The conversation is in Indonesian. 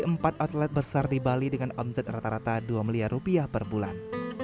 empat outlet besar di bali dengan omset rata rata dua miliar rupiah perbulan